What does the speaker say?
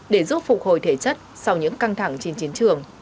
để giúp phục hồi thể chất sau những căng thẳng trên chiến trường